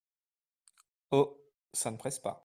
Oh ! ça ne presse pas !…